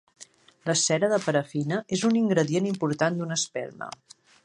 La cera de parafina és un ingredient important d'una espelma.